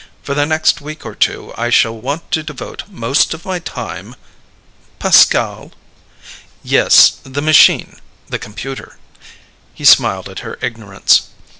For the next week or two I shall want to devote most of my time ..." "Pascal?" "Yes. The machine the computer." He smiled at her ignorance.